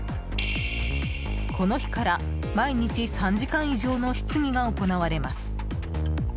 この日から毎日３時間以上の質疑が行われます。